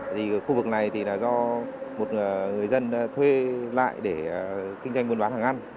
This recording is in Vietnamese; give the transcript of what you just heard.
thì khu vực này thì là do một người dân thuê lại để kinh doanh buôn bán hàng ăn